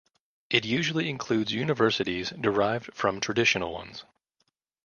It usually includes universities derived from traditional ones.